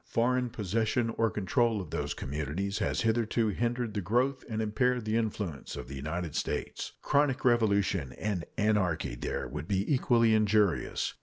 Foreign possession or control of those communities has hitherto hindered the growth and impaired the influence of the United States. Chronic revolution and anarchy there would be equally injurious.